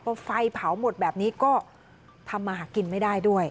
เพราะว่าไฟเผาหมดแบบนี้ก็ทำมากินไม่ได้ด้วย